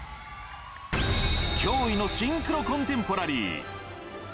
驚異のシンクロコンテンポラ